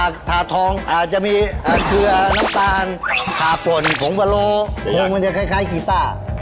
โคงมันจะคล้ายกีต้า